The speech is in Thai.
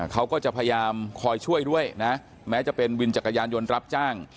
เขาก็จะพยายามคอยช่วยด้วยนะแม้จะเป็นวินจักรยานยนต์รับจ้าง